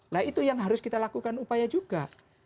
nah itu yang harus kita lakukan upaya juga